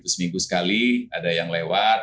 seminggu sekali ada yang lewat